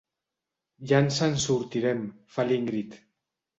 Ja ens en sortirem —fa l'Ingrid.